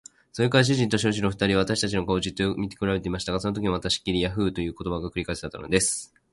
それから主人と召使の二人は、私たちの顔をじっとよく見くらべていましたが、そのときもまたしきりに「ヤーフ」という言葉が繰り返されたのです。